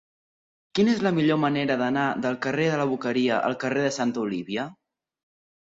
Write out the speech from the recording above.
Quina és la millor manera d'anar del carrer de la Boqueria al carrer de Santa Olívia?